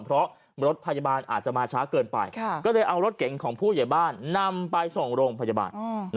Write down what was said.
เพราะรถพยาบาลอาจจะมาช้าเกินไปก็เลยเอารถเก๋งของผู้ใหญ่บ้านนำไปส่งโรงพยาบาล